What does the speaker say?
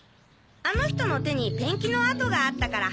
あの人の手にペンキの跡があったから。